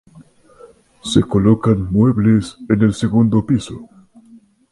Se colocan muebles en el segundo piso.